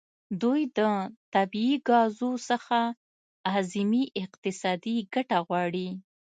دوی د طبیعي ګازو څخه اعظمي اقتصادي ګټه غواړي